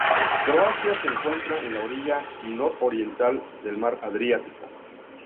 Croacia se encuentra en la orilla nororiental del mar Adriático.